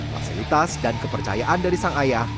fasilitas dan kepercayaan dari sang ayah